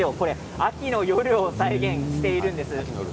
秋の夜を再現しています。